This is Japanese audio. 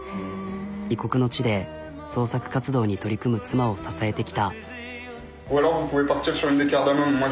異国の地で創作活動に取り組む妻を支えてきた。